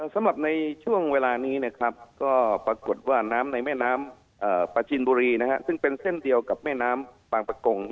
สำหรับในช่วงเวลานี้นะครับก็ปรากฏว่าน้ำในแม่น้ำประจินบุรีซึ่งเป็นเส้นเดียวกับแม่น้ำบางประกง